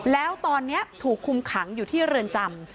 แล้วตอนนี้ถูกคุมขังอยู่ที่เรือนจำ